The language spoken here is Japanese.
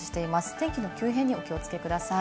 天気の急変にお気をつけください。